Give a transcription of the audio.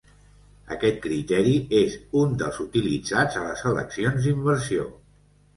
Aquest criteri és un dels utilitzats a les eleccions d'inversió.